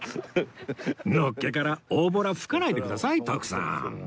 のっけから大ぼら吹かないでください徳さん